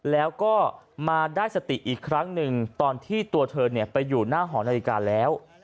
แล้วก็มาได้สติอีกครั้งหนึ่งตอนที่ตัวเธอไปอยู่หน้าหอนาฬิกาแล้ว